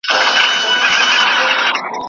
د کليوالو مهاجرت يوه لويه ستونزه ده.